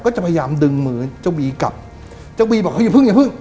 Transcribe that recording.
ก็จะพยายามดึงมือเจ้าบีกลับเจ้าบีบอกเขาอย่าเพิ่งอย่าเพิ่ง